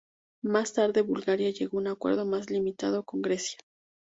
Más tarde Bulgaria llegó a un acuerdo más limitado con Grecia.